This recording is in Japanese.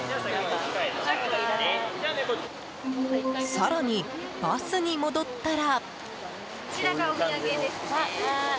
更にバスに戻ったら。